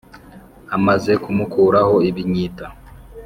Amaze kumukuraho ibinyita